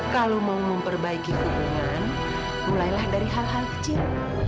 kalau mau memperbaiki hubungan mulailah dari hal hal kecil